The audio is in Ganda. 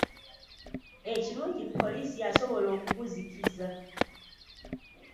Ekirungi poliisi yasobola okuguzikiza.